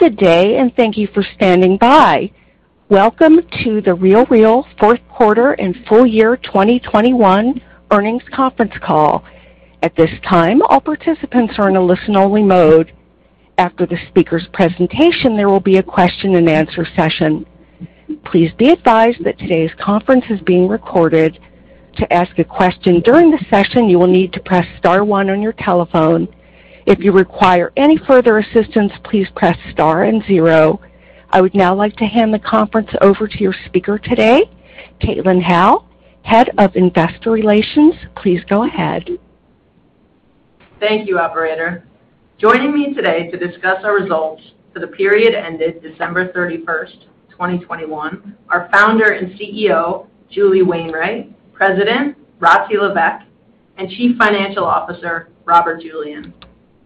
Good day, and thank you for standing by. Welcome to The RealReal fourth quarter and full year 2021 earnings conference call. At this time, all participants are in a listen-only mode. After the speaker's presentation, there will be a question-and-answer session. Please be advised that today's conference is being recorded. To ask a question during the session, you will need to press star one on your telephone. If you require any further assistance, please press star and zero. I would now like to hand the conference over to your speaker today, Caitlin Howe, Head of Investor Relations. Please go ahead. Thank you, operator. Joining me today to discuss our results for the period ended December 31st, 2021, are Founder and CEO Julie Wainwright, President Rati Levesque, and Chief Financial Officer Robert Julian.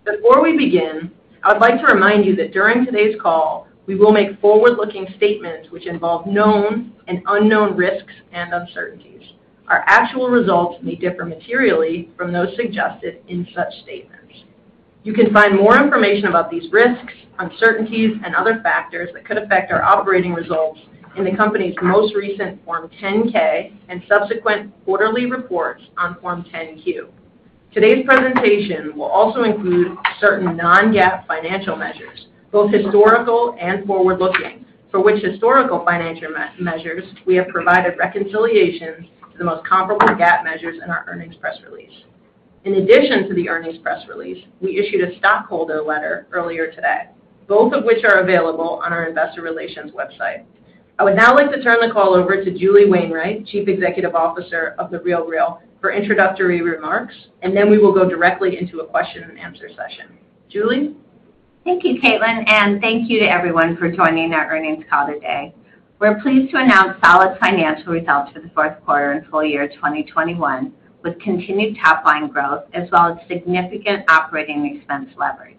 Before we begin, I would like to remind you that during today's call, we will make forward-looking statements which involve known and unknown risks and uncertainties. Our actual results may differ materially from those suggested in such statements. You can find more information about these risks, uncertainties, and other factors that could affect our operating results in the company's most recent Form 10-K and subsequent quarterly reports on Form 10-Q. Today's presentation will also include certain non-GAAP financial measures, both historical and forward-looking, for which historical financial measures we have provided reconciliations to the most comparable GAAP measures in our earnings press release. In addition to the earnings press release, we issued a stockholder letter earlier today, both of which are available on our investor relations website. I would now like to turn the call over to Julie Wainwright, Chief Executive Officer of The RealReal, for introductory remarks, and then we will go directly into a question-and-answer session. Julie? Thank you, Caitlin, and thank you to everyone for joining our earnings call today. We're pleased to announce solid financial results for the fourth quarter and full year 2021, with continued top line growth as well as significant operating expense leverage.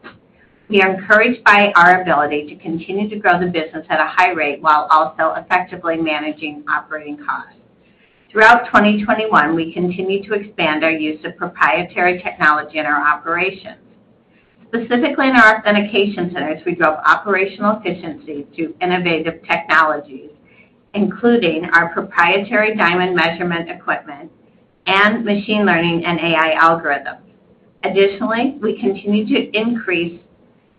We are encouraged by our ability to continue to grow the business at a high rate while also effectively managing operating costs. Throughout 2021, we continued to expand our use of proprietary technology in our operations. Specifically, in our authentication centers, we drove operational efficiency through innovative technologies, including our proprietary diamond measurement equipment and machine learning and AI algorithms. Additionally, we continued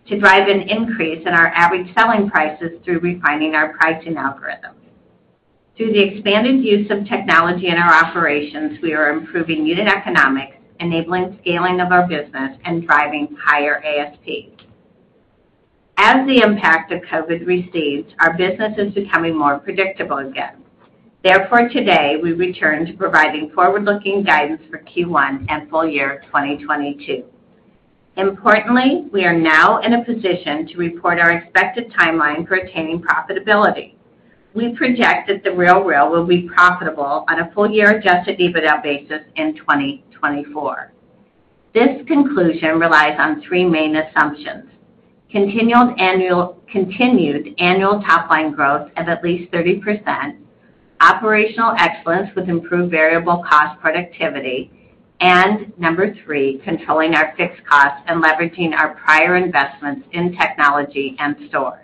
to drive an increase in our average selling prices through refining our pricing algorithms. Through the expanded use of technology in our operations, we are improving unit economics, enabling scaling of our business, and driving higher ASP. As the impact of COVID recedes, our business is becoming more predictable again. Therefore, today, we return to providing forward-looking guidance for Q1 and full year 2022. Importantly, we are now in a position to report our expected timeline for attaining profitability. We project that The RealReal will be profitable on a full year Adjusted EBITDA basis in 2024. This conclusion relies on three main assumptions. Continued annual top-line growth of at least 30%, operational excellence with improved variable cost productivity, and number three, controlling our fixed costs and leveraging our prior investments in technology and stores.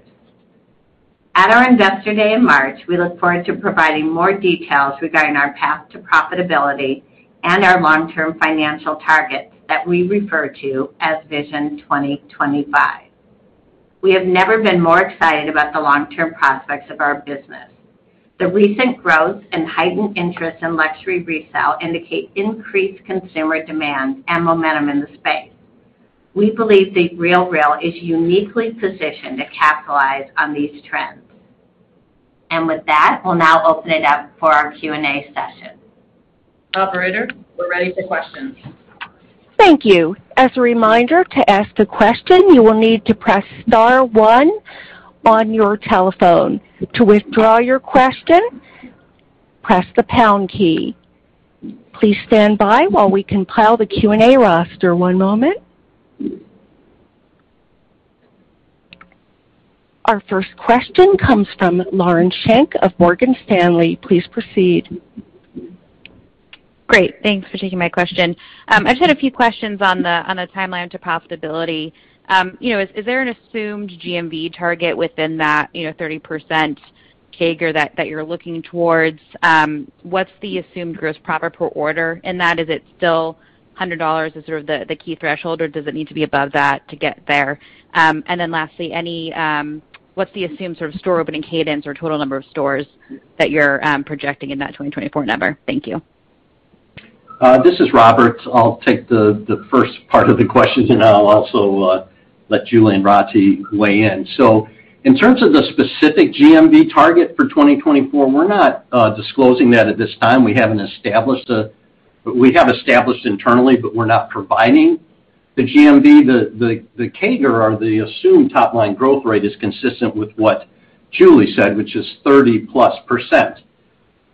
At our Investor Day in March, we look forward to providing more details regarding our path to profitability and our long-term financial targets that we refer to as Vision 2025. We have never been more excited about the long-term prospects of our business. The recent growth and heightened interest in luxury resale indicate increased consumer demand and momentum in the space. We believe The RealReal is uniquely positioned to capitalize on these trends. With that, we'll now open it up for our Q&A session. Operator, we're ready for questions. Thank you. As a reminder, to ask a question, you will need to press star one on your telephone. To withdraw your question, press the pound key. Please stand by while we compile the Q&A roster. One moment. Our first question comes from Lauren Schenk of Morgan Stanley. Please proceed. Great. Thanks for taking my question. I just had a few questions on the timeline to profitability. You know, is there an assumed GMV target within that 30% CAGR that you're looking towards? What's the assumed gross profit per order? And is it still $100 as sort of the key threshold, or does it need to be above that to get there? What's the assumed sort of store opening cadence or total number of stores that you're projecting in that 2024 number? Thank you. This is Robert. I'll take the first part of the question, and I'll also let Julie and Rati weigh in. In terms of the specific GMV target for 2024, we're not disclosing that at this time. We have established internally, but we're not providing the GMV. The CAGR or the assumed top-line growth rate is consistent with what Julie said, which is 30%+.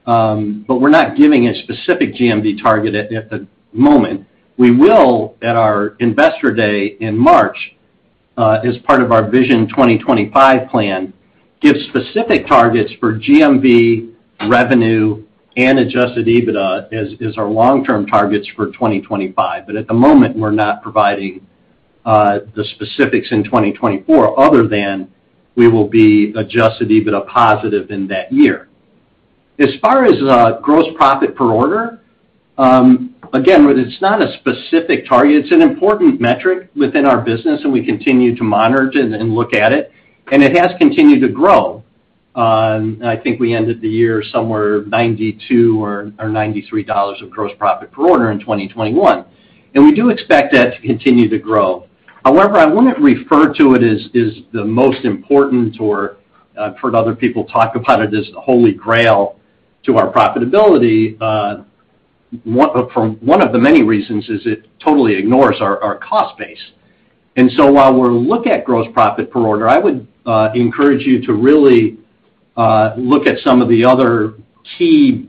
But we're not giving a specific GMV target at the moment. We will at our Investor Day in March, as part of our Vision 2025 plan give specific targets for GMV revenue and adjusted EBITDA as our long-term targets for 2025. But at the moment, we're not providing the specifics in 2024 other than we will be adjusted EBITDA positive in that year. As far as gross profit per order, again, but it's not a specific target. It's an important metric within our business, and we continue to monitor it and look at it, and it has continued to grow. I think we ended the year somewhere $92 or $93 of gross profit per order in 2021, and we do expect that to continue to grow. However, I wouldn't refer to it as the most important. I've heard other people talk about it as the holy grail to our profitability. One of the many reasons is it totally ignores our cost base. While we'll look at gross profit per order, I would encourage you to really look at some of the other key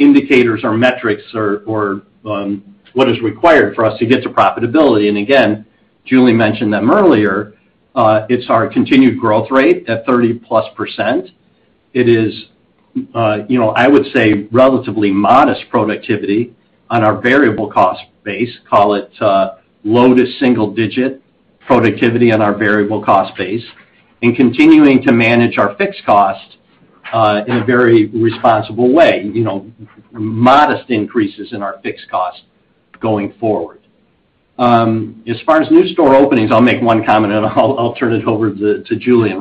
indicators or metrics or what is required for us to get to profitability. Again, Julie mentioned them earlier. It's our continued growth rate at 30%+. It is, you know, I would say relatively modest productivity on our variable cost base, call it low- to single-digit productivity on our variable cost base, and continuing to manage our fixed cost in a very responsible way, you know, modest increases in our fixed cost going forward. As far as new store openings, I'll make one comment, and I'll turn it over to Julie and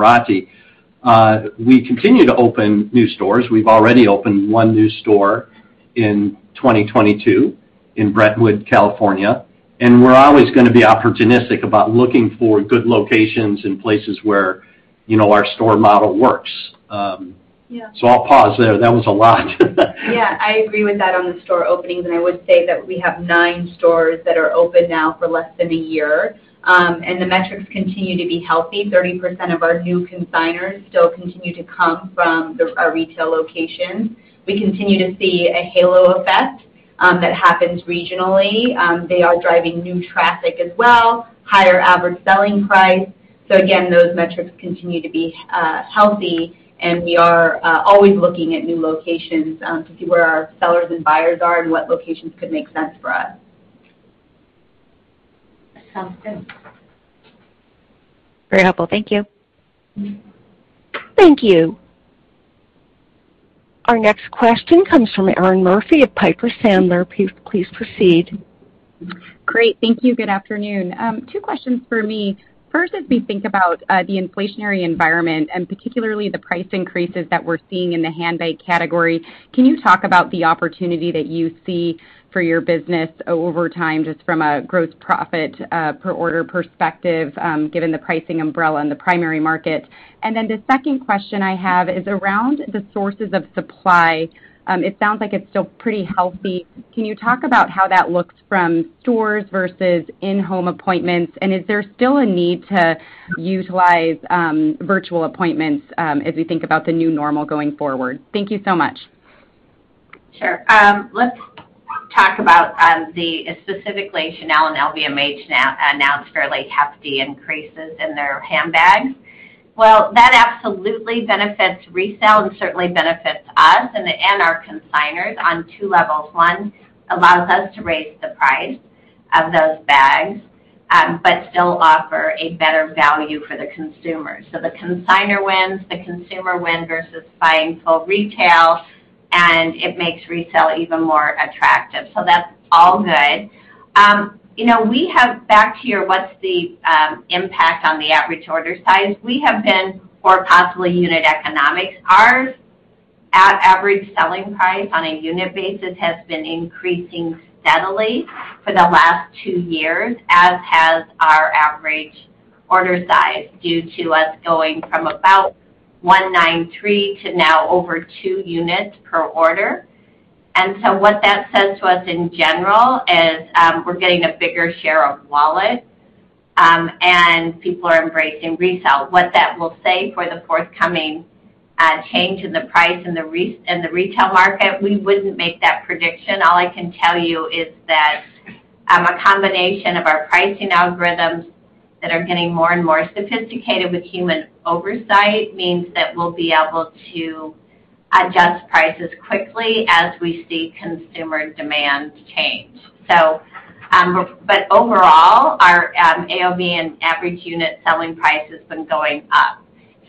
Rati. We continue to open new stores. We've already opened one new store in 2022 in Brentwood, California, and we're always gonna be opportunistic about looking for good locations in places where, you know, our store model works. Yeah. I'll pause there. That was a lot. Yeah. I agree with that on the store openings, and I would say that we have nine stores that are open now for less than a year. The metrics continue to be healthy. 30% of our new consignors still continue to come from our retail locations. We continue to see a halo effect that happens regionally. They are driving new traffic as well, higher average selling price. Those metrics continue to be healthy, and we are always looking at new locations to see where our sellers and buyers are and what locations could make sense for us. Sounds good. Very helpful. Thank you. Thank you. Our next question comes from Erinn Murphy of Piper Sandler. Please proceed. Great. Thank you. Good afternoon. Two questions for me. First, as we think about the inflationary environment and particularly the price increases that we're seeing in the handbag category, can you talk about the opportunity that you see for your business over time, just from a gross profit per order perspective, given the pricing umbrella in the primary market? The second question I have is around the sources of supply. It sounds like it's still pretty healthy. Can you talk about how that looks from stores versus in-home appointments? Is there still a need to utilize virtual appointments as we think about the new normal going forward? Thank you so much. Sure. Let's talk about specifically, Chanel and LVMH now announced fairly hefty increases in their handbags. Well, that absolutely benefits resale and certainly benefits us and our consignors on two levels. One, allows us to raise the price of those bags, but still offer a better value for the consumer. The consignor wins, the consumer wins versus buying full retail, and it makes resale even more attractive. That's all good. You know, we have back to your what's the impact on the average order size, we have been or possibly unit economics, ours at average selling price on a unit basis has been increasing steadily for the last two years, as has our average order size, due to us going from about 1.93 to now over two units per order. What that says to us in general is, we're getting a bigger share of wallet, and people are embracing resale. What that will say for the forthcoming change in the price in the retail market, we wouldn't make that prediction. All I can tell you is that, a combination of our pricing algorithms that are getting more and more sophisticated with human oversight means that we'll be able to adjust prices quickly as we see consumer demand change. But overall, our AOV and average unit selling price has been going up.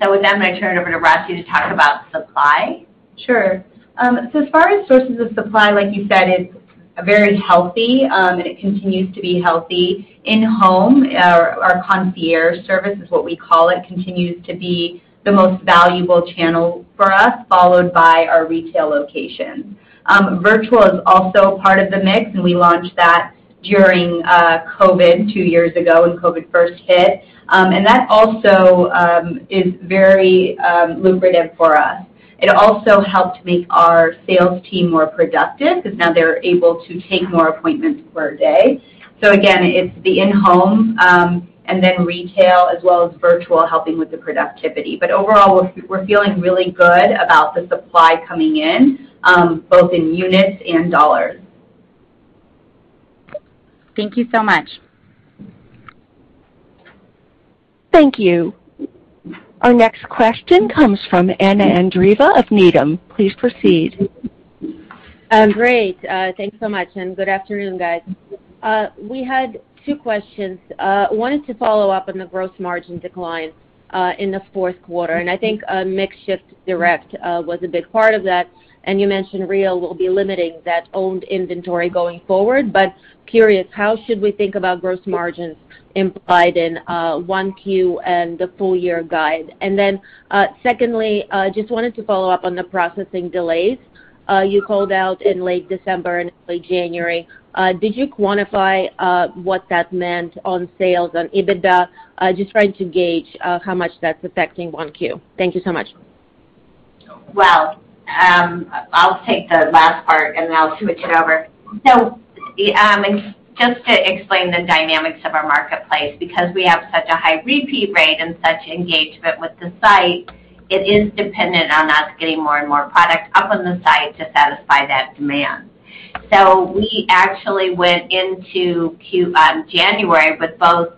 With that, I'm gonna turn it over to Rati to talk about supply. Sure. As far as sources of supply, like you said, it's very healthy, and it continues to be healthy. In-home, our concierge service is what we call it, continues to be the most valuable channel for us, followed by our retail locations. Virtual is also part of the mix, and we launched that during COVID two years ago when COVID first hit. That also is very lucrative for us. It also helped make our sales team more productive because now they're able to take more appointments per day. Again, it's the in-home, and then retail as well as virtual helping with the productivity. Overall, we're feeling really good about the supply coming in, both in units and dollars. Thank you so much. Thank you. Our next question comes from Anna Andreeva of Needham. Please proceed. Great. Thanks so much, and good afternoon, guys. We had two questions. I wanted to follow up on the gross margin decline in the fourth quarter, and I think mix shift to direct was a big part of that. You mentioned The RealReal will be limiting that owned inventory going forward, but curious, how should we think about gross margins implied in 1Q and the full year guide? Secondly, just wanted to follow up on the processing delays you called out in late December and early January. Did you quantify what that meant on sales on EBITDA? Just trying to gauge how much that's affecting 1Q. Thank you so much. Well, I'll take the last part, and then I'll switch it over. Just to explain the dynamics of our marketplace, because we have such a high repeat rate and such engagement with the site, it is dependent on us getting more and more product up on the site to satisfy that demand. We actually went into January with both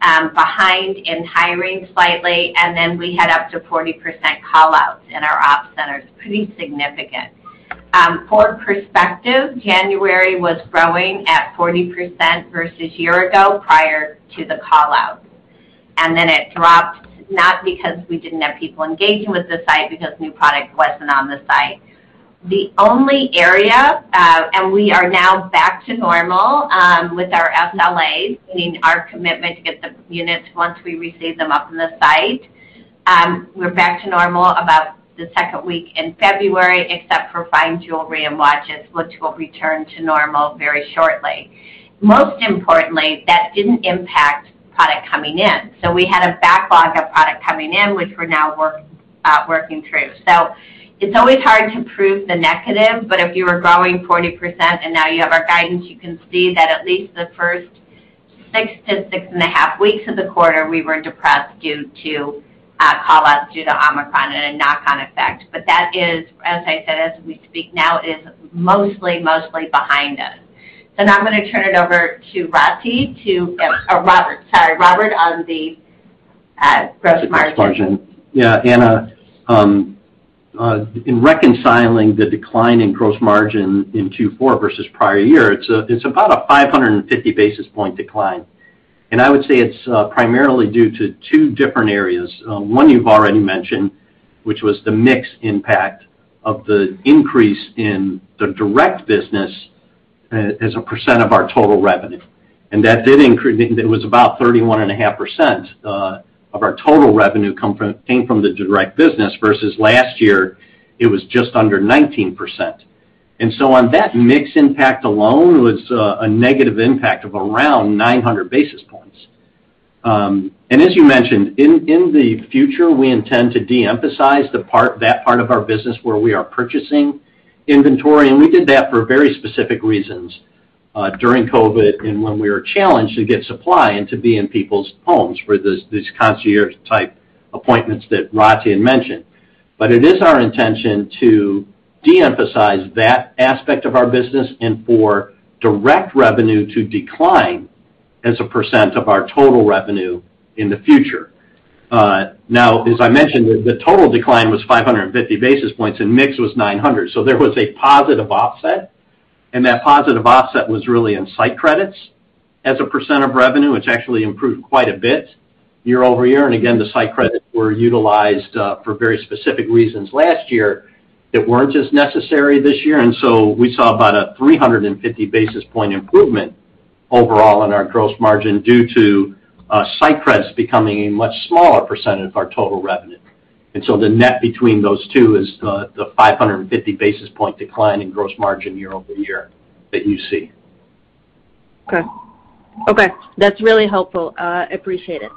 behind in hiring slightly, and then we had up to 40% call-outs in our op centers. Pretty significant. For perspective, January was growing at 40% versus year-ago prior to the call-out. It dropped, not because we didn't have people engaging with the site, because new product wasn't on the site. The only area and we are now back to normal with our SLAs, meaning our commitment to get the units once we receive them up on the site. We're back to normal about the second week in February, except for fine jewelry and watches, which will return to normal very shortly. Most importantly, that didn't impact product coming in, so we had a backlog of product coming in, which we're now working through. It's always hard to prove the negative, but if you were growing 40% and now you have our guidance, you can see that at least the first six to six and a half weeks of the quarter, we were depressed due to call outs due to Omicron and a knock-on effect. That is, as I said, as we speak now, it is mostly behind us. Now I'm gonna turn it over to Rati to, oh, Robert, sorry, Robert on the gross margin. Gross margin. Yeah. Anna, in reconciling the decline in gross margin in 2024 versus prior year, it's about a 550 basis point decline. I would say it's primarily due to two different areas. One you've already mentioned, which was the mix impact of the increase in the direct business as a percent of our total revenue. That did increase. It was about 31.5% of our total revenue came from the direct business versus last year, it was just under 19%. On that mix impact alone was a negative impact of around 900 basis points. As you mentioned, in the future, we intend to de-emphasize the part of our business where we are purchasing inventory, and we did that for very specific reasons during COVID and when we were challenged to get supply and to be in people's homes for these concierge-type appointments that Rati had mentioned. It is our intention to de-emphasize that aspect of our business and for direct revenue to decline as a percent of our total revenue in the future. Now, as I mentioned, the total decline was 550 basis points and mix was 900. There was a positive offset, and that positive offset was really in site credits as a percent of revenue, which actually improved quite a bit year-over-year. Again, the site credits were utilized for very specific reasons last year that weren't as necessary this year. We saw about a 350 basis point improvement overall in our gross margin due to site credits becoming a much smaller percentage of our total revenue. The net between those two is the 550 basis point decline in gross margin year-over-year that you see. Okay. That's really helpful. I appreciate it.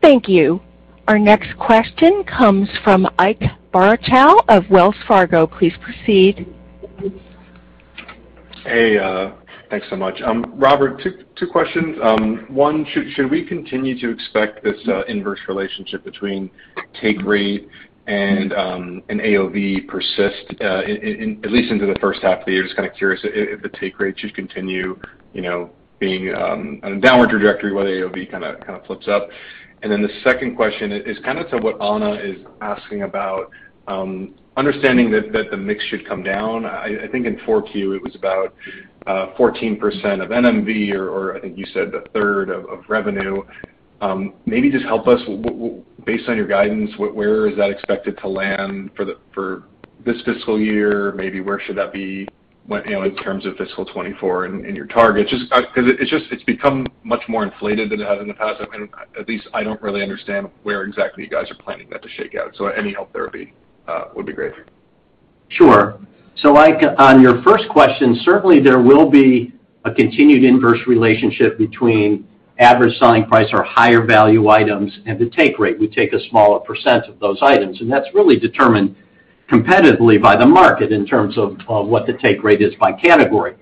Thank you. Our next question comes from Ike Boruchow of Wells Fargo. Please proceed. Hey, thanks so much. Robert, two questions. One, should we continue to expect this inverse relationship between take rate and an AOV persist at least into the first half of the year? Just kinda curious if the take rate should continue, you know, being on a downward trajectory, whether AOV kinda flips up. The second question is kind of to what Anna is asking about, understanding that the mix should come down. I think in 4Q, it was about 14% of NMV or I think you said a third of revenue. Maybe just help us based on your guidance, where is that expected to land for this fiscal year? Maybe where should that be, you know, in terms of fiscal 2024 and your targets? Just 'cause it's become much more inflated than it has in the past. I mean, at least I don't really understand where exactly you guys are planning that to shake out. Any help there would be great. Sure. Ike, on your first question, certainly there will be a continued inverse relationship between average selling price or higher value items and the take rate. We take a smaller percent of those items, and that's really determined competitively by the market in terms of what the take rate is by category.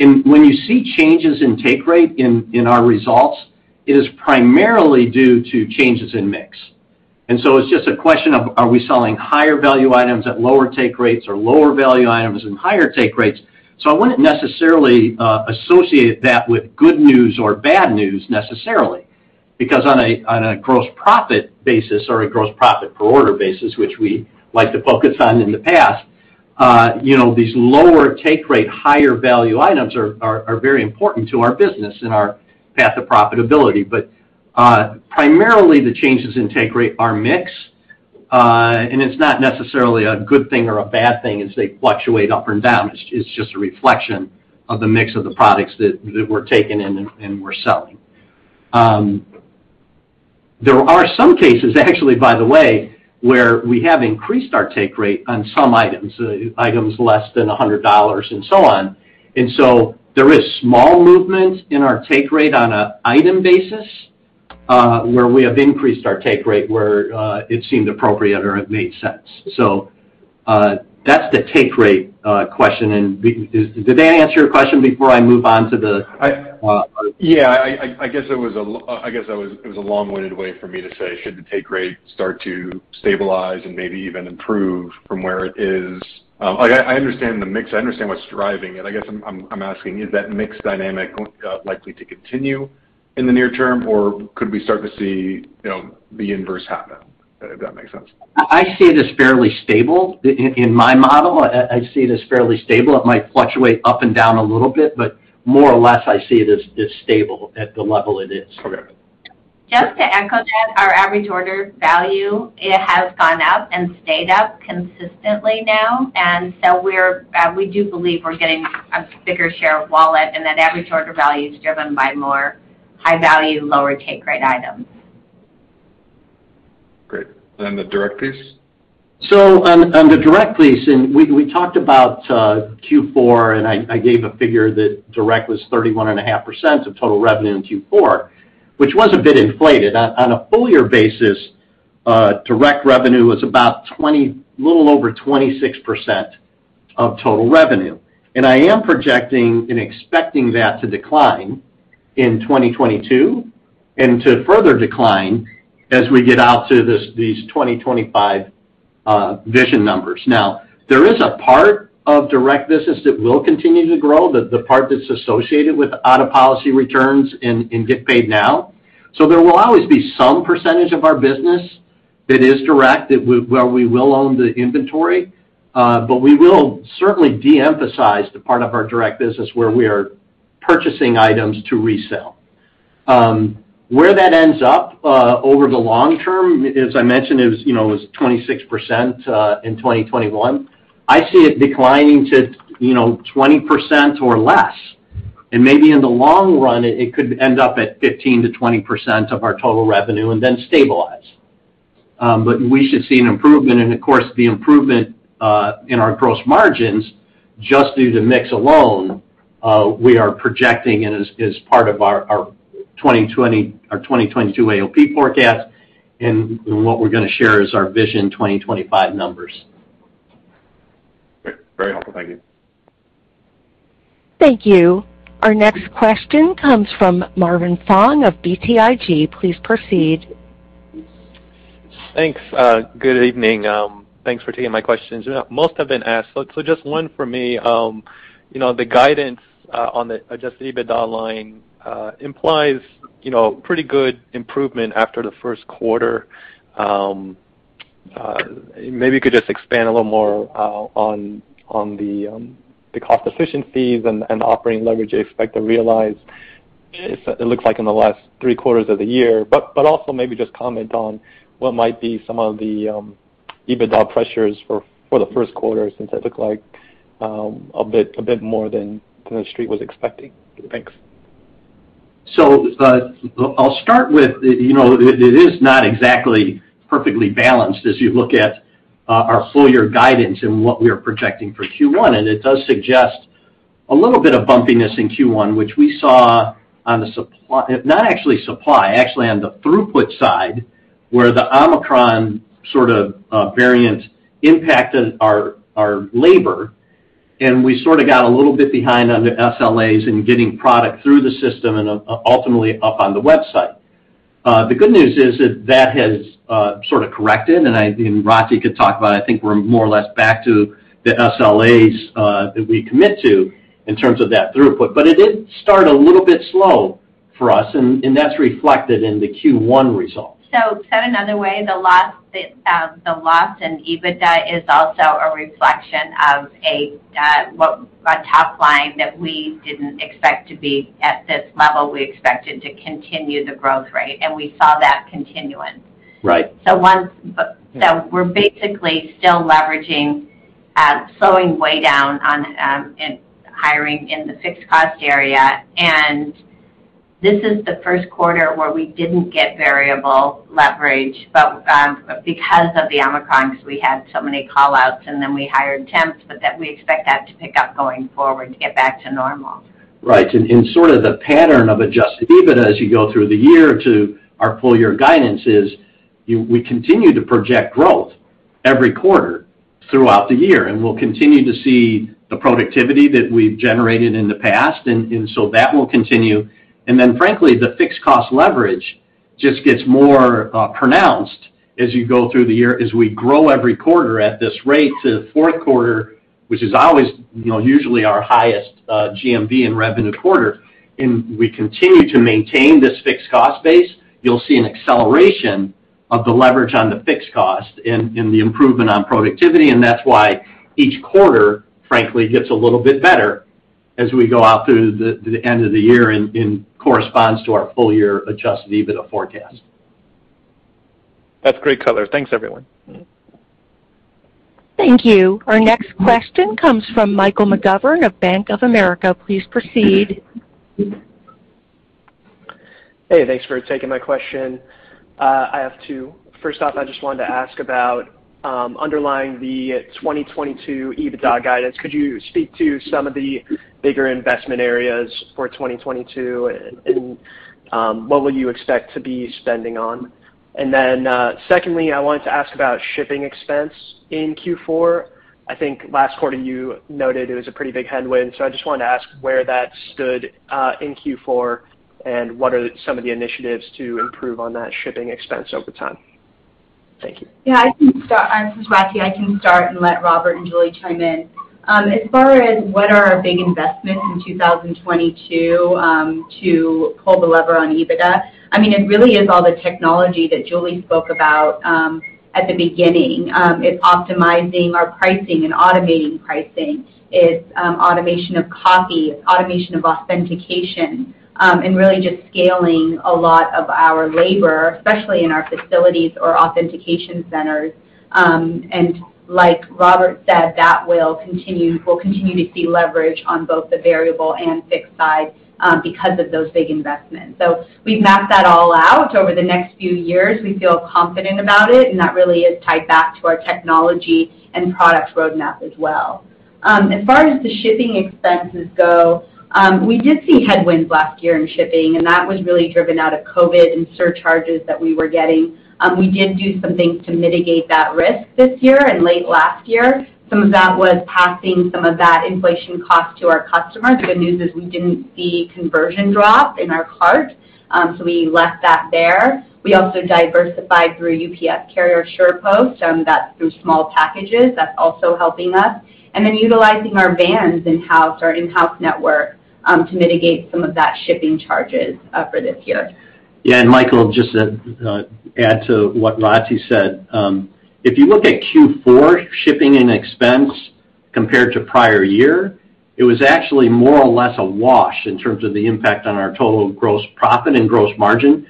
When you see changes in take rate in our results, it is primarily due to changes in mix. It's just a question of are we selling higher value items at lower take rates or lower value items and higher take rates. I wouldn't necessarily associate that with good news or bad news necessarily, because on a gross profit basis or a gross profit per order basis, which we like to focus on in the past, you know, these lower take rate, higher value items are very important to our business and our path of profitability. Primarily the changes in take rate are mix, and it's not necessarily a good thing or a bad thing as they fluctuate up and down. It's just a reflection of the mix of the products that we're taking in and we're selling. There are some cases actually, by the way, where we have increased our take rate on some items less than $100 and so on. There is small movement in our take rate on an item basis, where we have increased our take rate where it seemed appropriate or it made sense. That's the take rate question. Did that answer your question before I move on to the Yeah. I guess that was a long-winded way for me to say should the take rate start to stabilize and maybe even improve from where it is? I understand the mix. I understand what's driving it. I guess I'm asking, is that mix dynamic likely to continue in the near term, or could we start to see, you know, the inverse happen, if that makes sense? I see it as fairly stable. In my model, I see it as fairly stable. It might fluctuate up and down a little bit, but more or less, I see it as stable at the level it is. Okay. Just to echo that, our average order value, it has gone up and stayed up consistently now. We do believe we're getting a bigger share of wallet and that average order value is driven by more high value, lower take rate items. Great. The direct piece? On the direct piece, we talked about Q4, and I gave a figure that direct was 31.5% of total revenue in Q4, which was a bit inflated. On a full year basis, direct revenue was about a little over 26% of total revenue. I am projecting and expecting that to decline in 2022 and to further decline as we get out to these 2025 Vision numbers. Now, there is a part of direct business that will continue to grow, the part that's associated with out-of-policy returns in Get Paid Now. There will always be some percentage of our business that is direct, where we will own the inventory, but we will certainly de-emphasize the part of our direct business where we are purchasing items to resell. Where that ends up over the long term, as I mentioned, it was, you know, it was 26% in 2021. I see it declining to, you know, 20% or less. Maybe in the long run it could end up at 15%-20% of our total revenue and then stabilize. We should see an improvement and of course, the improvement in our gross margins just due to mix alone, we are projecting and as part of our 2022 AOP forecast and what we're gonna share is our Vision 2025 numbers. Great. Very helpful. Thank you. Thank you. Our next question comes from Marvin Fong of BTIG. Please proceed. Thanks. Good evening. Thanks for taking my questions. Most have been asked. Just one for me. You know, the guidance on the Adjusted EBITDA line implies you know, pretty good improvement after the first quarter. Maybe you could just expand a little more on the cost efficiencies and operating leverage you expect to realize. It looks like in the last three quarters of the year, but also maybe just comment on what might be some of the EBITDA pressures for the first quarter since it looked like a bit more than the street was expecting. Thanks. I'll start with, you know, it is not exactly perfectly balanced as you look at our full year guidance and what we are projecting for Q1. It does suggest a little bit of bumpiness in Q1, which we saw actually on the throughput side, where the Omicron sort of variant impacted our labor, and we sort of got a little bit behind on the SLAs in getting product through the system and ultimately up on the website. The good news is that that has sort of corrected, and Rati could talk about it. I think we're more or less back to the SLAs that we commit to in terms of that throughput. It did start a little bit slow for us, and that's reflected in the Q1 results. Said another way, the loss in EBITDA is also a reflection of a top line that we didn't expect to be at this level. We expected to continue the growth rate, and we saw that continuance. Right. We're basically still leveraging slowing way down on hiring in the fixed cost area. This is the first quarter where we didn't get variable leverage, but because of the Omicron, because we had so many call-outs, and then we hired temps, but we expect that to pick up going forward to get back to normal. Right. Sort of the pattern of Adjusted EBITDA as you go through the year to our full year guidance is we continue to project growth every quarter throughout the year, and we'll continue to see the productivity that we've generated in the past, and so that will continue. Then frankly, the fixed cost leverage just gets more pronounced as you go through the year as we grow every quarter at this rate to the fourth quarter, which is always, you know, usually our highest GMV and revenue quarter. We continue to maintain this fixed cost base. You'll see an acceleration of the leverage on the fixed cost and the improvement on productivity, and that's why each quarter, frankly, gets a little bit better as we go out through the end of the year and corresponds to our full year Adjusted EBITDA forecast. That's great color. Thanks, everyone. Thank you. Our next question comes from Michael McGovern of Bank of America. Please proceed. Hey, thanks for taking my question. I have two. First off, I just wanted to ask about underlying the 2022 EBITDA guidance. Could you speak to some of the bigger investment areas for 2022 and what will you expect to be spending on? Secondly, I wanted to ask about shipping expense in Q4. I think last quarter you noted it was a pretty big headwind, so I just wanted to ask where that stood in Q4 and what are some of the initiatives to improve on that shipping expense over time? Thank you. Yeah, this is Rati. I can start and let Robert and Julie chime in. As far as what are our big investments in 2022, to pull the lever on EBITDA, I mean, it really is all the technology that Julie spoke about at the beginning. It's optimizing our pricing and automating pricing. It's automation of copy. It's automation of authentication, and really just scaling a lot of our labor, especially in our facilities or authentication centers. Like Robert said, that will continue. We'll continue to see leverage on both the variable and fixed side, because of those big investments. We've mapped that all out over the next few years. We feel confident about it, and that really is tied back to our technology and product roadmap as well. As far as the shipping expenses go, we did see headwinds last year in shipping, and that was really driven out of COVID and surcharges that we were getting. We did do some things to mitigate that risk this year and late last year. Some of that was passing some of that inflation cost to our customers. The good news is we didn't see conversion drop in our cart, so we left that there. We also diversified through UPS SurePost, that's through small packages. That's also helping us, utilizing our vans in-house, our in-house network, to mitigate some of that shipping charges for this year. Yeah. Michael, just to add to what Rati said, if you look at Q4 shipping and expense compared to prior year, it was actually more or less a wash in terms of the impact on our total gross profit and gross margin.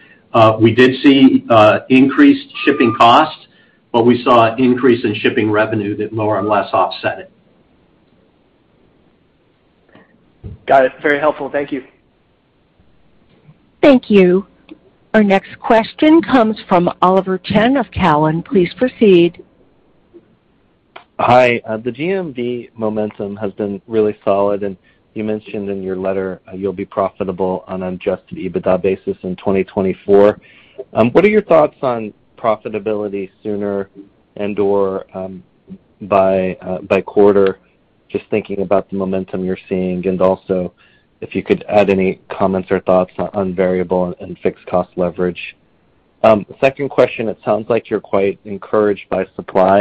We did see increased shipping costs, but we saw an increase in shipping revenue that more or less offset it. Got it. Very helpful. Thank you. Thank you. Our next question comes from Oliver Chen of Cowen. Please proceed. Hi. The GMV momentum has been really solid, and you mentioned in your letter you'll be profitable on Adjusted EBITDA basis in 2024. What are your thoughts on profitability sooner and/or by quarter, just thinking about the momentum you're seeing? Also, if you could add any comments or thoughts on variable and fixed cost leverage. Second question, it sounds like you're quite encouraged by supply.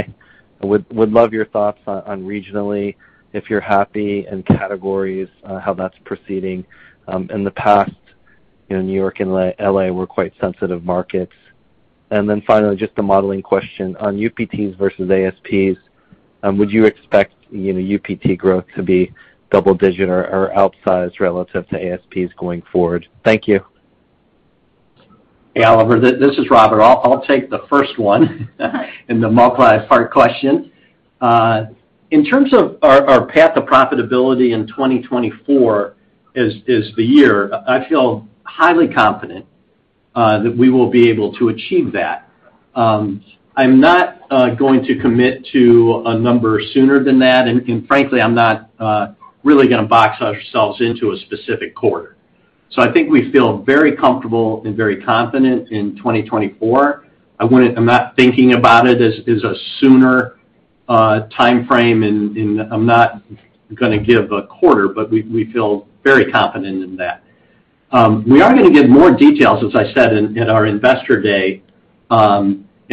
Would love your thoughts on regionally, if you're happy in categories, how that's proceeding. In the past, you know, New York and L.A. were quite sensitive markets. Then finally, just a modeling question on UPTs versus ASPs, would you expect, you know, UPT growth to be double-digit or outsized relative to ASPs going forward? Thank you. Hey, Oliver, this is Robert. I'll take the first one and the multi-part question. In terms of our path to profitability in 2024 as the year, I feel highly confident that we will be able to achieve that. I'm not going to commit to a number sooner than that, and frankly, I'm not really gonna box ourselves into a specific quarter. I think we feel very comfortable and very confident in 2024. I wouldn't. I'm not thinking about it as a sooner timeframe, and I'm not gonna give a quarter, but we feel very confident in that. We are gonna give more details, as I said, in our Investor Day,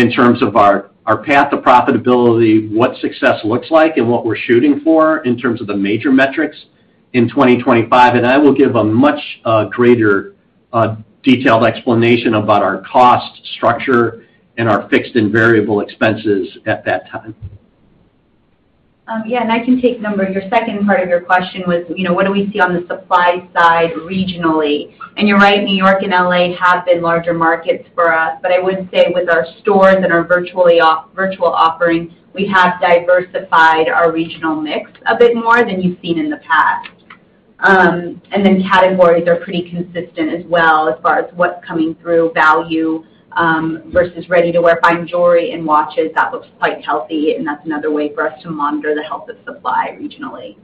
in terms of our path to profitability, what success looks like and what we're shooting for in terms of the major metrics in 2025, and I will give a much greater detailed explanation about our cost structure and our fixed and variable expenses at that time. Your second part of your question was, you know, what do we see on the supply side regionally? You're right, New York and L.A. have been larger markets for us, but I would say with our stores and our virtual offerings, we have diversified our regional mix a bit more than you've seen in the past. Categories are pretty consistent as well as far as what's coming through value versus ready-to-wear fine jewelry and watches. That looks quite healthy, and that's another way for us to monitor the health of supply regionally.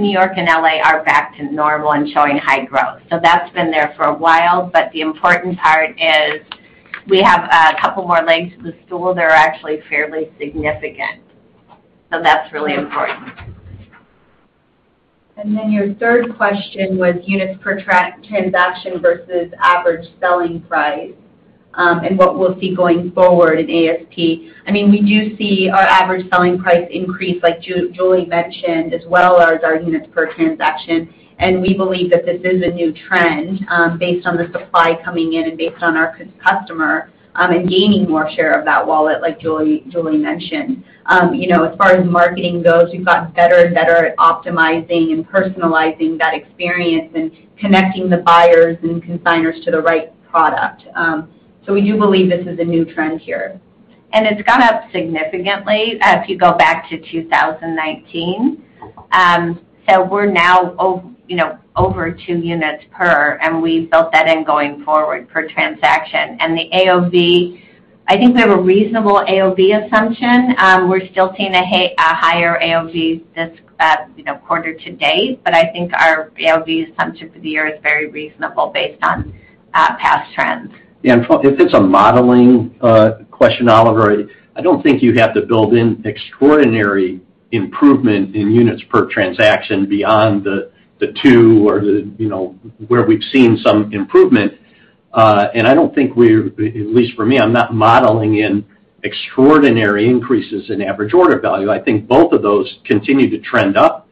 New York and L.A. are back to normal and showing high growth. That's been there for a while. The important part is we have a couple more legs to the stool that are actually fairly significant. That's really important. Your third question was units per transaction versus average selling price, and what we'll see going forward in ASP. I mean, we do see our average selling price increase, like Julie mentioned, as well as our units per transaction. We believe that this is a new trend, based on the supply coming in and based on our customer and gaining more share of that wallet, like Julie mentioned. You know, as far as marketing goes, we've gotten better and better at optimizing and personalizing that experience and connecting the buyers and consignors to the right product. We do believe this is a new trend here. It's gone up significantly as you go back to 2019. So we're now, you know, over two units per transaction, and we built that in going forward per transaction. And the AOV, I think we have a reasonable AOV assumption. We're still seeing a higher AOV this, you know, quarter to date, but I think our AOV assumption for the year is very reasonable based on past trends. Yeah. If it's a modeling question, Oliver, I don't think you have to build in extraordinary improvement in units per transaction beyond the two or the, you know, where we've seen some improvement. At least for me, I'm not modeling in extraordinary increases in average order value. I think both of those continue to trend up.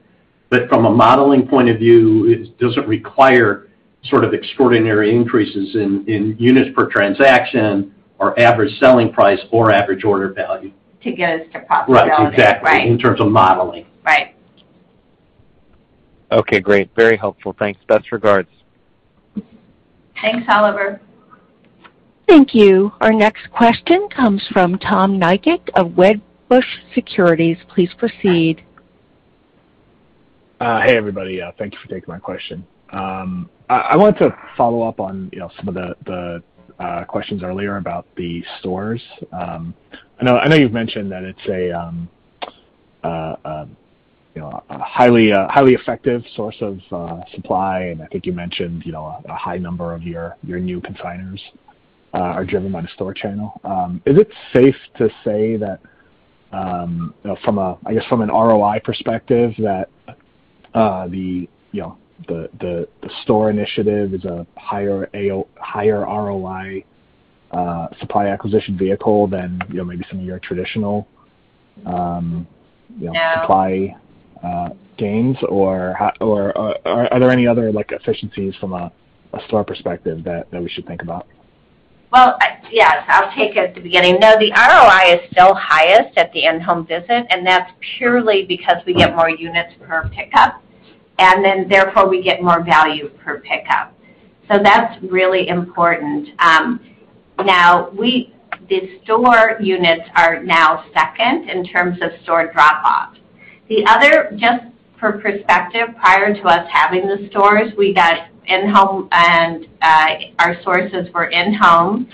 From a modeling point of view, it doesn't require sort of extraordinary increases in units per transaction or average selling price or average order value. To get us to profitability. Right. Exactly. Right. In terms of modeling. Right. Okay, great. Very helpful. Thanks. Best regards. Thanks, Oliver. Thank you. Our next question comes from Tom Nikic of Wedbush Securities. Please proceed. Hey, everybody. Thank you for taking my question. I want to follow up on, you know, some of the questions earlier about the stores. I know you've mentioned that it's a you know, a highly effective source of supply, and I think you mentioned, you know, a high number of your new consignors are driven by the store channel. Is it safe to say that you know, from a, I guess, from an ROI perspective that the you know, the store initiative is a higher ROI supply acquisition vehicle than, you know, maybe some of your traditional you know, supply gains? Or are there any other, like, efficiencies from a store perspective that we should think about? Well, yes. I'll take it at the beginning. No, the ROI is still highest at the in-home visit, and that's purely because we get more units per pickup, and then therefore we get more value per pickup. That's really important. Now the store units are now second in terms of store drop-off. The other. Just for perspective, prior to us having the stores, we got in-home and, our sources were in-home.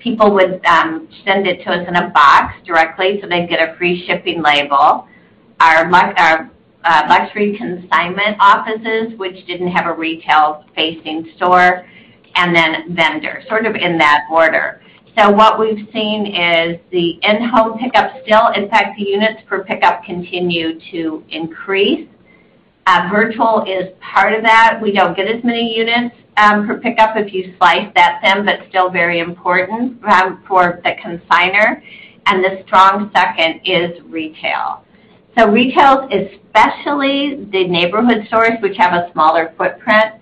People would send it to us in a box directly, so they'd get a free shipping label. Our luxury consignment offices, which didn't have a retail-facing store, and then vendors, sort of in that order. What we've seen is the in-home pickup still, in fact, the units per pickup continue to increase. Virtual is part of that. We don't get as many units per pickup if you slice at them, but still very important for the consignor. The strong second is retail. Retail, especially the neighborhood stores which have a smaller footprint,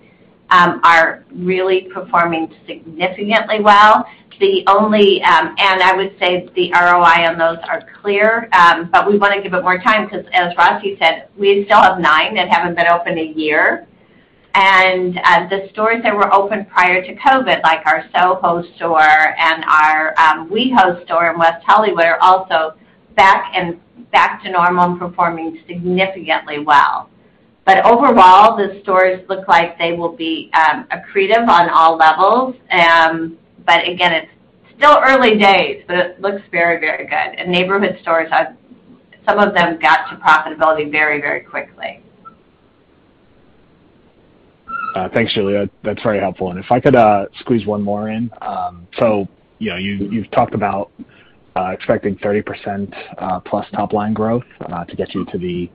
are really performing significantly well. I would say the ROI on those are clear, but we wanna give it more time because as Rati said, we still have nine that haven't been open a year. The stores that were open prior to COVID, like our Soho store and our WeHo store in West Hollywood, are also back to normal and performing significantly well. Overall, the stores look like they will be accretive on all levels. Again, it's still early days, but it looks very, very good and neighborhood stores have, some of them, got to profitability very, very quickly. Thanks, Julie. That's very helpful. If I could squeeze one more in. So, you know, you've talked about expecting 30% plus top-line growth to get you to the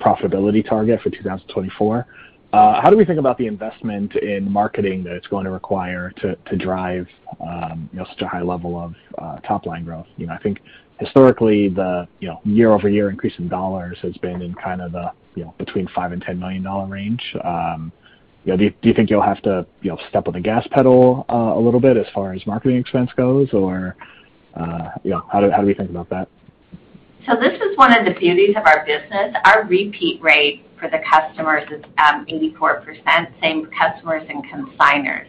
profitability target for 2024. How do we think about the investment in marketing that it's going to require to drive you know, such a high level of top-line growth? You know, I think historically the year-over-year increase in dollars has been in kind of the between $5 million-$10 million range. You know, do you think you'll have to step on the gas pedal a little bit as far as marketing expense goes? Or you know, how do we think about that? This is one of the beauties of our business. Our repeat rate for the customers is 84%, same customers and consignors.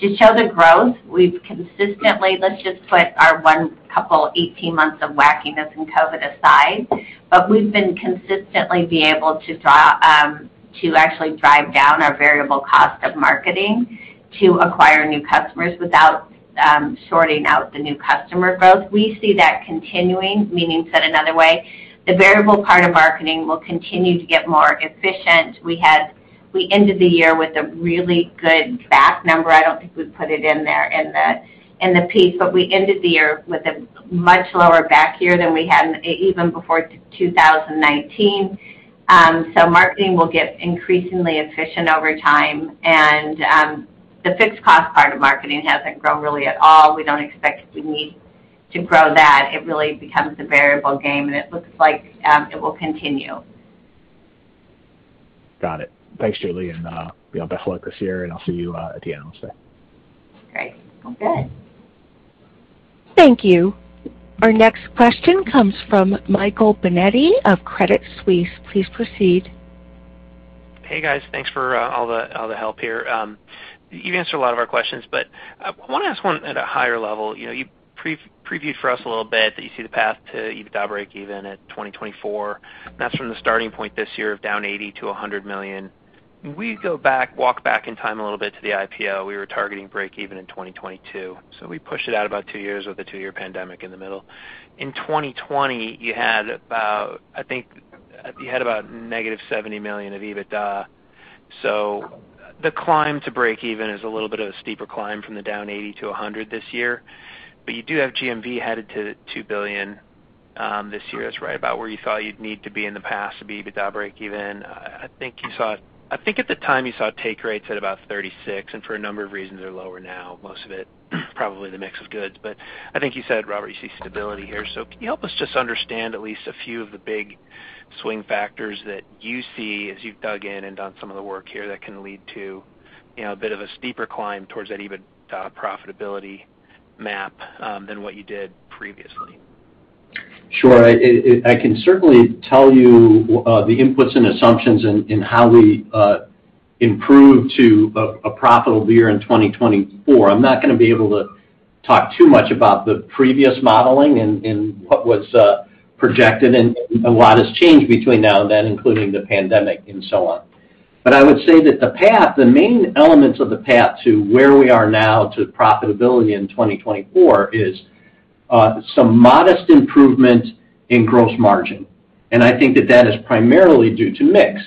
To show the growth, let's just put our a couple of eighteen months of wackiness in COVID aside, but we've been consistently able to actually drive down our variable cost of marketing to acquire new customers without shorting out the new customer growth. We see that continuing, meaning said another way, the variable part of marketing will continue to get more efficient. We ended the year with a really good CAC number. I don't think we put it in there in the piece, but we ended the year with a much lower CAC year than we had even before 2019. Marketing will get increasingly efficient over time, and the fixed cost part of marketing hasn't grown really at all. We don't expect we need to grow that. It really becomes a variable game, and it looks like it will continue. Got it. Thanks, Julie. You know, best luck this year, and I'll see you at the analyst day. Great. Sounds good. Thank you. Our next question comes from Michael Binetti of Credit Suisse. Please proceed. Hey, guys. Thanks for all the help here. You've answered a lot of our questions, but I wanna ask one at a higher level. You know, you pre-previewed for us a little bit that you see the path to EBITDA breakeven at 2024, and that's from the starting point this year of down $80 million-$100 million. We go back, walk back in time a little bit to the IPO, we were targeting breakeven in 2022, so we pushed it out about two years with a two-year pandemic in the middle. In 2020, you had about, I think, negative $70 million of EBITDA. So the climb to breakeven is a little bit of a steeper climb from the down $80 million-$100 million this year. But you do have GMV headed to $2 billion this year. That's right about where you thought you'd need to be in the past to be EBITDA breakeven. I think at the time you saw take rates at about 36%, and for a number of reasons they're lower now, most of it probably the mix of goods. I think you said, Robert, you see stability here. Can you help us just understand at least a few of the big swing factors that you see as you've dug in and done some of the work here that can lead to, you know, a bit of a steeper climb towards that EBITDA profitability map than what you did previously? Sure. I can certainly tell you the inputs and assumptions in how we improve to a profitable year in 2024. I'm not gonna be able to talk too much about the previous modeling and what was projected, and a lot has changed between now and then, including the pandemic and so on. I would say that the path, the main elements of the path to where we are now to profitability in 2024 is some modest improvement in gross margin. I think that is primarily due to mix.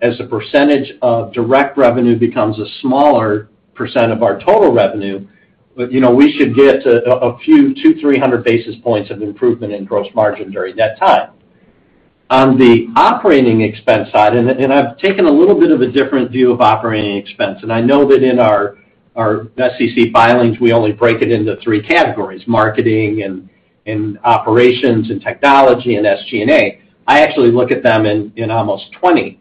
As the percentage of direct revenue becomes a smaller percent of our total revenue, you know, we should get a few 200-300 basis points of improvement in gross margin during that time. On the operating expense side, I've taken a little bit of a different view of operating expense, and I know that in our SEC filings, we only break it into three categories, marketing and operations and technology and SG&A. I actually look at them in almost 20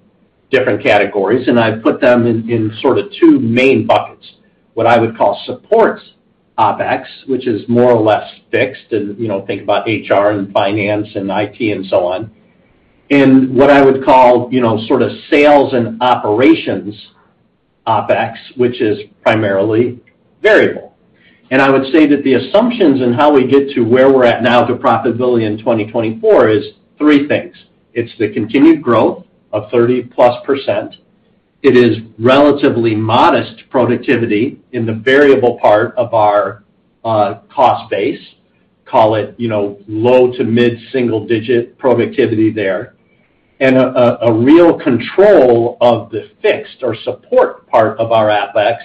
different categories, and I put them in sorta two main buckets. What I would call support OpEx, which is more or less fixed, you know, think about HR and finance and IT and so on. What I would call, you know, sorta sales and operations OpEx, which is primarily variable. I would say that the assumptions in how we get to where we're at now to profitability in 2024 is three things. It's the continued growth of 30%+. It is relatively modest productivity in the variable part of our cost base, call it, you know, low to mid-single-digit productivity there, and a real control of the fixed or support part of our OpEx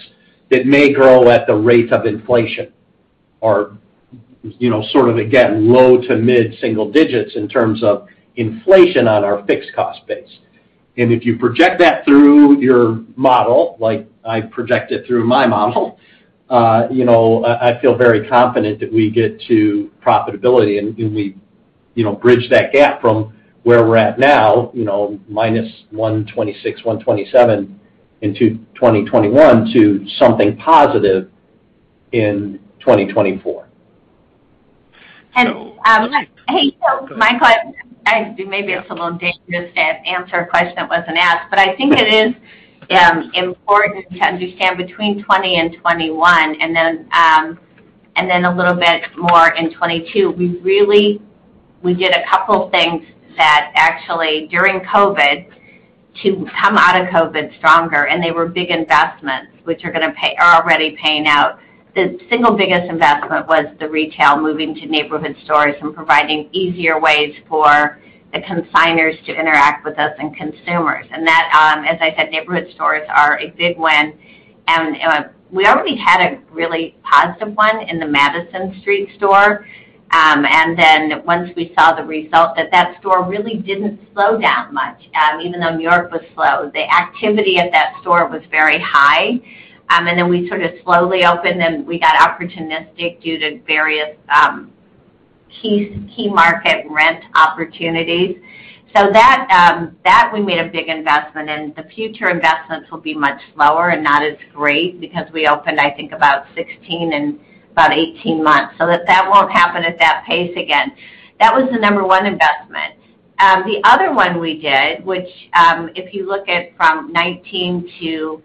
that may grow at the rate of inflation or, you know, sort of again, low to mid-single digits in terms of inflation on our fixed cost base. If you project that through your model, like I project it through my model, you know, I feel very confident that we get to profitability, and we, you know, bridge that gap from where we're at now, you know, -$126, -$127 in 2021 to something positive in 2024. Hey, Michael, I think maybe it's a little dangerous to answer a question that wasn't asked, but I think it is important to understand between 2020 and 2021 and then a little bit more in 2022, we really did a couple things that actually during COVID, to come out of COVID stronger, and they were big investments, which are already paying out. The single biggest investment was the retail moving to neighborhood stores and providing easier ways for the consignors to interact with us and consumers. That, as I said, neighborhood stores are a big win. We already had a really positive one in the Madison Avenue store. Once we saw the result that that store really didn't slow down much, even though New York was slow. The activity at that store was very high. Then we sort of slowly opened, and we got opportunistic due to various key market rent opportunities. That one made a big investment, and the future investments will be much slower and not as great because we opened, I think, about 16 in about 18 months. That won't happen at that pace again. That was the number one investment. The other one we did, which, if you look at from 2019 to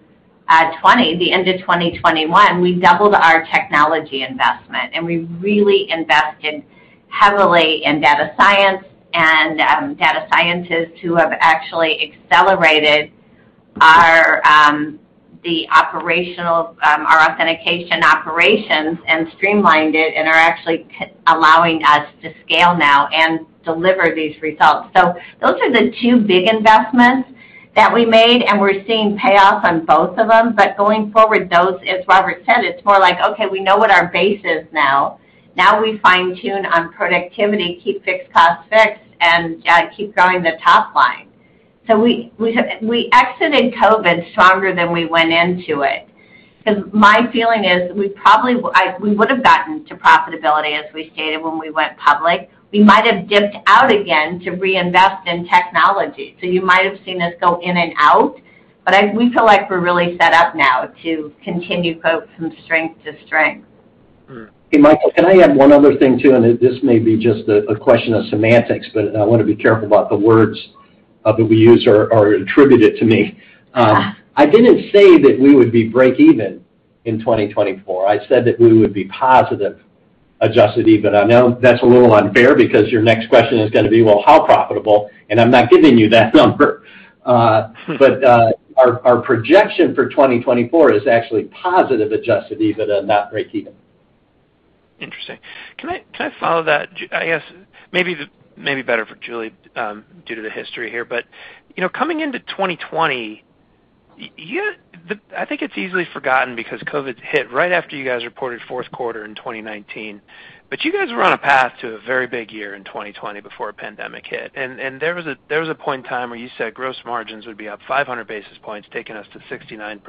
2020, the end of 2021, we doubled our technology investment, and we really invested heavily in data science and data scientists who have actually accelerated our the operational our authentication operations and streamlined it and are actually allowing us to scale now and deliver these results. Those are the two big investments that we made, and we're seeing payoffs on both of them. Going forward, those, as Robert said, it's more like, okay, we know what our base is now. Now we fine-tune on productivity, keep fixed costs fixed, and keep growing the top line. We exited COVID stronger than we went into it. My feeling is we would have gotten to profitability as we stated when we went public. We might have dipped out again to reinvest in technology. You might have seen us go in and out, but we feel like we're really set up now to continue, quote, "from strength to strength." Mm-hmm. Hey, Michael, can I add one other thing, too? This may be just a question of semantics, but I wanna be careful about the words that we use are attributed to me. I didn't say that we would be break even in 2024. I said that we would be positive Adjusted EBITDA. Now, that's a little unfair because your next question is gonna be, well, how profitable? I'm not giving you that number. Our projection for 2024 is actually positive Adjusted EBITDA, not break even. Interesting. Can I follow that? I guess maybe better for Julie due to the history here. You know, coming into 2020, I think it's easily forgotten because COVID hit right after you guys reported fourth quarter in 2019. You guys were on a path to a very big year in 2020 before the pandemic hit. There was a point in time where you said gross margins would be up 500 basis points, taking us to 69%.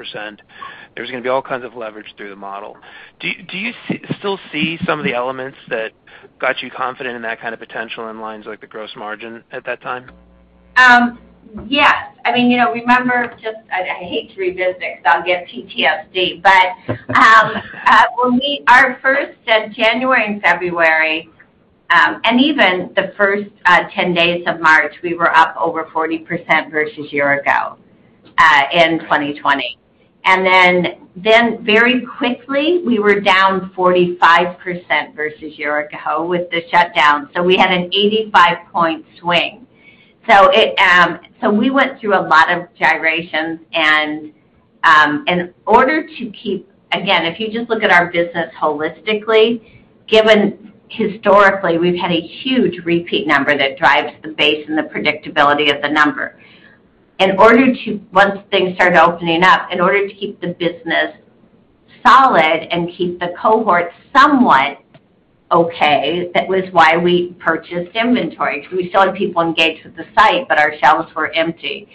There was gonna be all kinds of leverage through the model. Do you still see some of the elements that got you confident in that kind of potential in lines like the gross margin at that time? Yes. I mean, you know, remember just I hate to revisit it 'cause I'll get PTSD. When our first January and February, and even the first 10 days of March, we were up over 40% versus year ago in 2020. Then very quickly, we were down 45% versus year ago with the shutdown. We had an 85-point swing. It we went through a lot of gyrations. In order to keep. Again, if you just look at our business holistically, given historically, we've had a huge repeat number that drives the base and the predictability of the number. In order to Once things started opening up, in order to keep the business solid and keep the cohort somewhat okay, that was why we purchased inventory because we still had people engaged with the site, but our shelves were empty.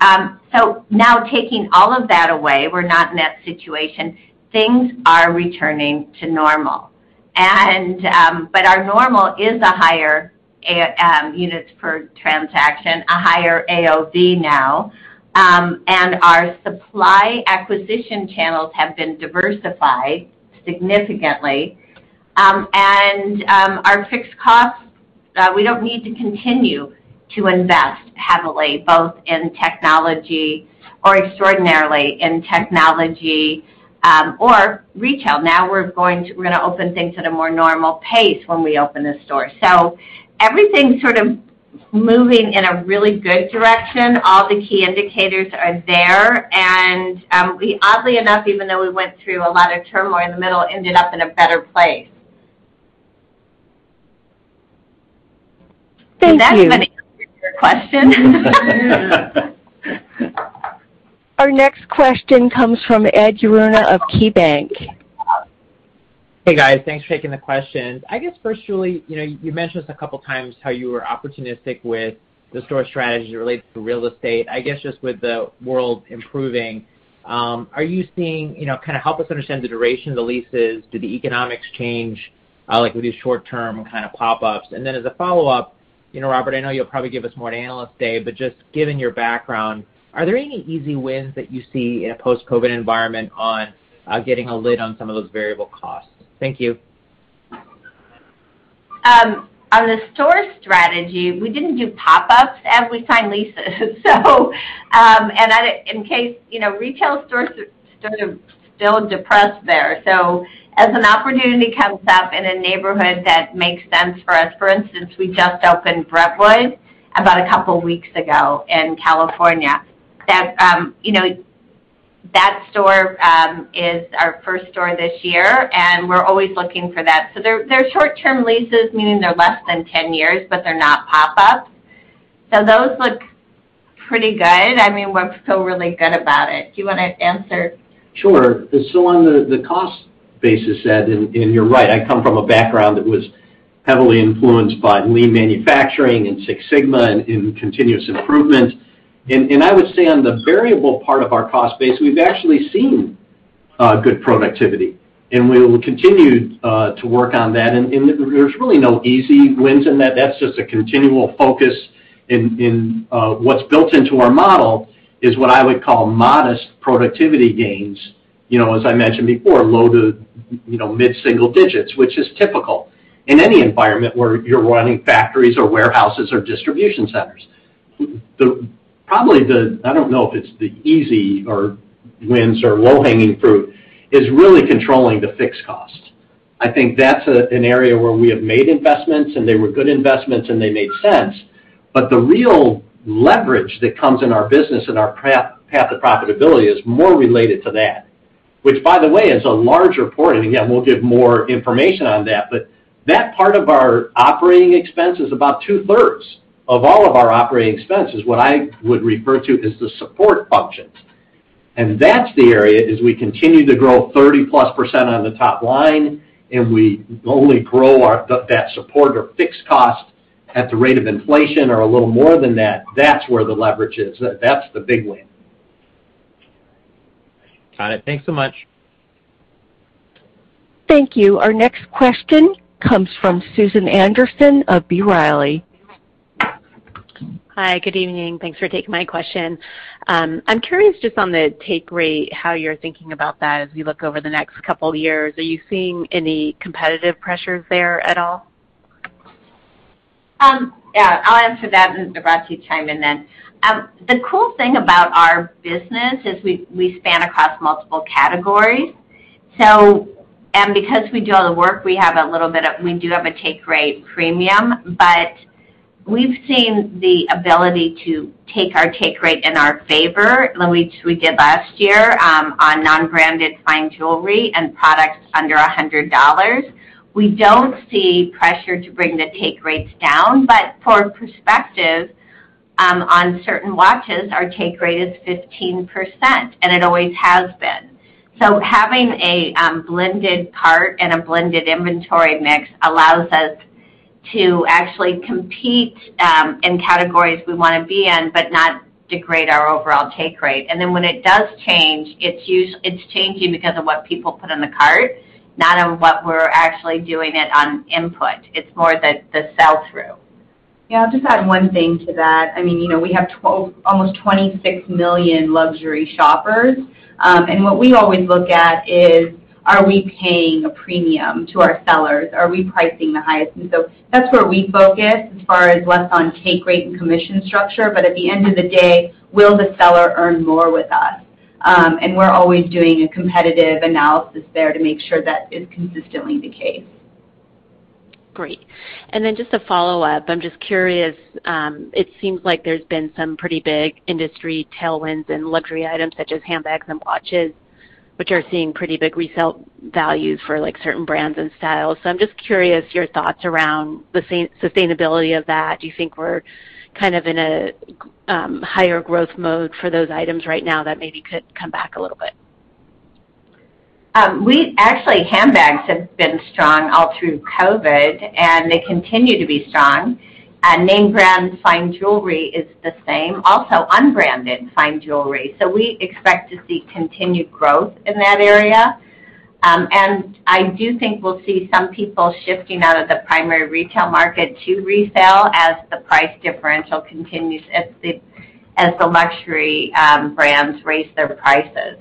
Now taking all of that away, we're not in that situation. Things are returning to normal. Our normal is a higher units per transaction, a higher AOV now. Our supply acquisition channels have been diversified significantly. Our fixed costs, we don't need to continue to invest heavily, both in technology or extraordinarily in technology, or retail. We're gonna open things at a more normal pace when we open a store. Everything's sort of moving in a really good direction. All the key indicators are there and we oddly enough, even though we went through a lot of turmoil in the middle, ended up in a better place. Thank you. If that's an answer to your question. Our next question comes from Edward Yruma of KeyBanc. Hey, guys. Thanks for taking the questions. I guess first, Julie, you know, you mentioned this a couple times how you were opportunistic with the store strategy related to real estate. I guess just with the world improving, are you seeing you know kinda help us understand the duration of the leases. Do the economics change, like with these short term kind of pop-ups? And then as a follow-up, you know, Robert, I know you'll probably give us more at Analyst Day, but just given your background, are there any easy wins that you see in a post-COVID environment on getting a lid on some of those variable costs? Thank you. On the store strategy, we didn't do pop-ups as we signed leases. In case you know, retail stores are sort of still depressed there. As an opportunity comes up in a neighborhood that makes sense for us, for instance, we just opened Brentwood about a couple weeks ago in California that you know, that store is our first store this year, and we're always looking for that. They're short-term leases, meaning they're less than 10 years, but they're not pop-ups. Those look pretty good. I mean, we feel really good about it. Do you wanna answer? Sure. On the cost basis, Ed, and you're right, I come from a background that was heavily influenced by Lean manufacturing and Six Sigma and continuous improvement. I would say on the variable part of our cost base, we've actually seen good productivity, and we will continue to work on that. There's really no easy wins in that. That's just a continual focus. What's built into our model is what I would call modest productivity gains. You know, as I mentioned before, low to, you know, mid-single digits, which is typical in any environment where you're running factories or warehouses or distribution centers. Probably the, I don't know if it's the easy wins or low-hanging fruit, is really controlling the fixed costs. I think that's an area where we have made investments, and they were good investments, and they made sense. The real leverage that comes in our business and our path to profitability is more related to that, which by the way, is a large portion. Again, we'll give more information on that, but that part of our operating expense is about two-thirds of all of our operating expenses, what I would refer to as the support functions. That's the area as we continue to grow 30%+ on the top line, and we only grow that support or fixed cost at the rate of inflation or a little more than that. That's where the leverage is. That's the big win. Got it. Thanks so much. Thank you. Our next question comes from Susan Anderson of B. Riley. Hi. Good evening. Thanks for taking my question. I'm curious just on the take rate, how you're thinking about that as we look over the next couple years. Are you seeing any competitive pressures there at all? Yeah, I'll answer that, and Rati will chime in then. The cool thing about our business is we span across multiple categories. Because we do all the work, we have a little bit of a take rate premium, but we've seen the ability to take our take rate in our favor, which we did last year, on non-branded fine jewelry and products under $100. We don't see pressure to bring the take rates down, but for perspective, on certain watches, our take rate is 15%, and it always has been. Having a blended cart and a blended inventory mix allows us to actually compete in categories we wanna be in but not degrade our overall take rate and then when it does change, it's changing because of what people put in the cart, not on what we're actually doing it on input. It's more the sell-through. Yeah. I'll just add one thing to that. I mean, you know, we have almost 26 million luxury shoppers. What we always look at is, are we paying a premium to our sellers? Are we pricing the highest? That's where we focus as far as less on take rate and commission structure, but at the end of the day, will the seller earn more with us? We're always doing a competitive analysis there to make sure that is consistently the case. Great. Just a follow-up. I'm just curious, it seems like there's been some pretty big industry tailwinds in luxury items such as handbags and watches, which are seeing pretty big resale values for, like, certain brands and styles. I'm just curious your thoughts around the sustainability of that. Do you think we're kind of in a higher growth mode for those items right now that maybe could compress CAC a little bit? Actually, handbags have been strong all through COVID, and they continue to be strong. Name brand fine jewelry is the same, also unbranded fine jewelry. We expect to see continued growth in that area. I do think we'll see some people shifting out of the primary retail market to resale as the price differential continues as the luxury brands raise their prices.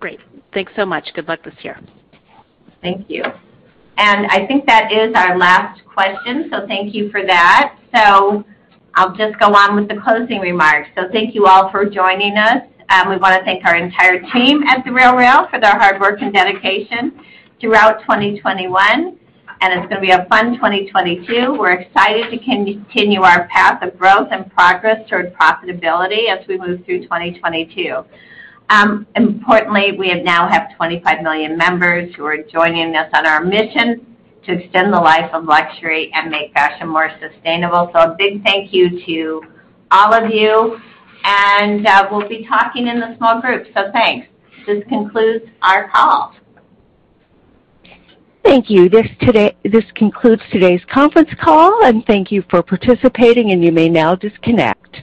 Great. Thanks so much. Good luck this year. Thank you. I think that is our last question, so thank you for that. I'll just go on with the closing remarks. Thank you all for joining us. We wanna thank our entire team at The RealReal for their hard work and dedication throughout 2021, and it's gonna be a fun 2022. We're excited to continue our path of growth and progress toward profitability as we move through 2022. Importantly, we now have 25 million members who are joining us on our mission to extend the life of luxury and make fashion more sustainable. A big thank you to all of you, and we'll be talking in the small group. Thanks. This concludes our call. Thank you. This concludes today's conference call, and thank you for participating, and you may now disconnect.